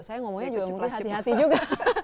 saya ngomongnya juga hati hati juga